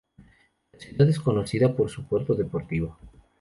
La ciudad es conocida por su puerto deportivo.